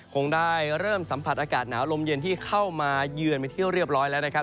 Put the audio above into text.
คงได้เริ่มสัมผัสอากาศหนาวลมเย็นที่เข้ามาเยือนไปเที่ยวเรียบร้อยแล้วนะครับ